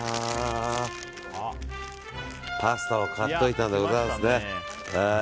パスタを買っておいたんでございますね。